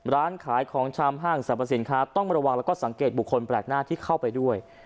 ร้านขายของชำห้างสรรพสินค้าต้องระวังแล้วก็สังเกตบุคคลแปลกหน้าที่เข้าไปด้วย